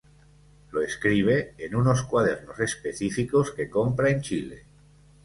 Lo escribe "en unos cuadernos específicos que compra en Chile.